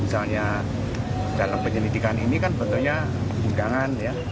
misalnya dalam penyidikan ini kan sebetulnya undangan ya